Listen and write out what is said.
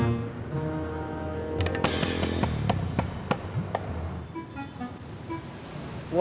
enggak biasa aja